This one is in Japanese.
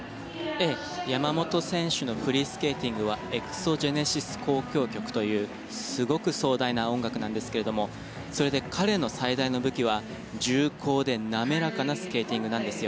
山本選手のフリースケーティングは「エクソジェネシス交響曲」というすごく壮大な音楽ですがそれで彼の最大の武器は重厚で滑らかなスケートなんですよ。